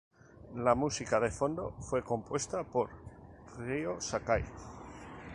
La música de fondo fue compuesta por Ryō Sakai.